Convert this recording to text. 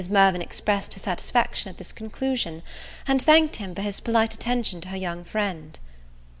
Mirvan expressed her satisfaction at this conclusion, and thanked him for his polite attention to her young friend.